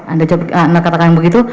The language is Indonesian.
anda katakan begitu